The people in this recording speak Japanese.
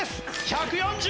１４０！